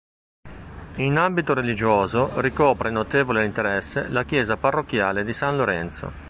In ambito religioso ricopre notevole interesse la chiesa parrocchiale di san Lorenzo.